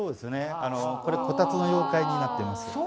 これ、こたつの妖怪になってます。